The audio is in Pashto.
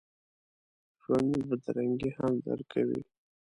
ژوندي بدرنګي هم درک کوي